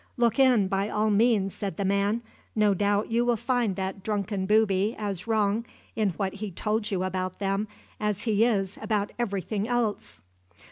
"Look in, by all means," said the man. "No doubt you will find that drunken booby as wrong in what he told you about them as he is about everything else."